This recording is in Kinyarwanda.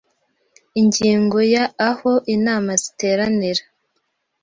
Ingingo ya Aho inama ziteranira